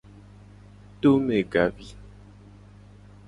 Tome gavi.